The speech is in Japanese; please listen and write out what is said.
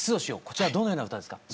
こちらどのような歌ですか？